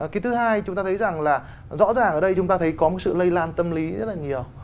cái thứ hai chúng ta thấy rằng là rõ ràng ở đây chúng ta thấy có một sự lây lan tâm lý rất là nhiều